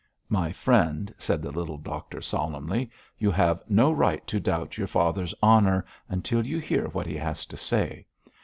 'My friend,' said the little doctor, solemnly, 'you have no right to doubt your father's honour until you hear what he has to say.